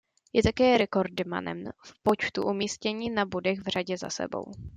Je také rekordmanem v počtu umístění na bodech v řadě za sebou.